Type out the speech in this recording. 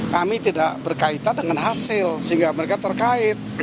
kami tidak berkaitan dengan hasil sehingga mereka terkait